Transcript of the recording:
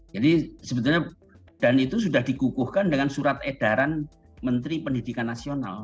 jadi dan itu sudah dikukuhkan dengan surat edaran menteri pendidikan nasional